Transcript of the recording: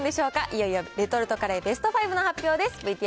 いよいよレトルトカレーベスト５の発表です。